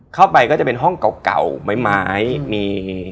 เข้าไปก็จะเป็นห้องเก่าไม้